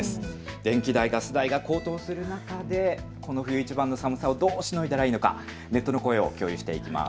電気代、ガス代が高騰する中でこの冬いちばんの寒さをどうしのいだらいいのかネットの声を共有していきます。